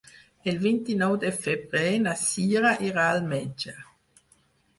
El vint-i-nou de febrer na Cira irà al metge.